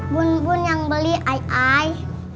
bun bun yang beli ai ai